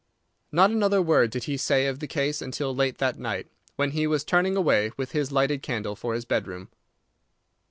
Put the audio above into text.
Not another word did he say of the case until late that night, when he was turning away, with his lighted candle, for his bedroom.